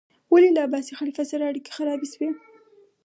ولې له عباسي خلیفه سره اړیکې خرابې شوې؟